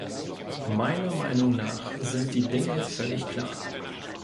Meiner Meinung nach sind die Dinge völlig klar.